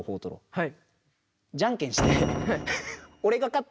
はい。